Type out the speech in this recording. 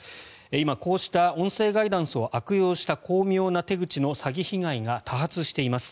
今、こうした音声ガイダンスを悪用した巧妙な手口の詐欺被害が多発しています。